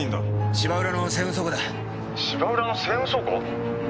「芝浦の西運倉庫！？」